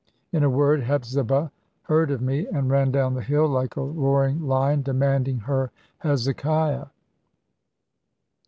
In a word, Hepzibah heard of me, and ran down the hill, like a roaring lion, demanding her Hezekiah!